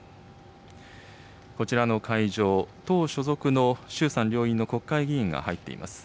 こちらの会場、党所属の衆参両院の国会議員が入っています。